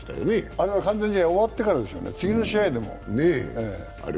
あれは完全試合終わってからですからね、次の試合でも。